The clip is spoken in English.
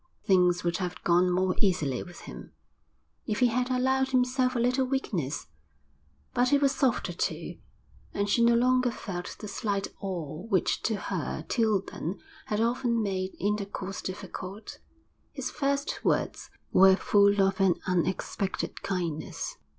Things would have gone more easily with him, if he had allowed himself a little weakness. But he was softer too, and she no longer felt the slight awe which to her till then had often made intercourse difficult. His first words were full of an unexpected kindness.